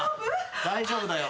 大丈夫だよ。